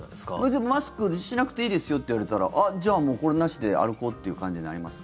じゃあマスクしなくていいですよって言われたらあ、じゃあもう、これなしで歩こうっていう感じになります？